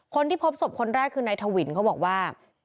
คนที่พบศพคนแรกคือนายทวินเขาบอกว่า